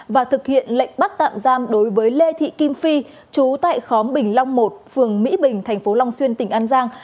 và thực hiện lệnh bắt tạm giam đối với lê thị kim phi chú tại khóm bình long một phường mỹ bình tp long xuyên tỉnh an giang